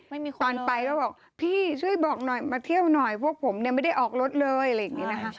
ไม่มีคนเลยนะครับพี่ช่วยบอกหน่อยมาเที่ยวหน่อยพวกผมไม่ได้ออกรถเลยอะไรอย่างนี้นะคะ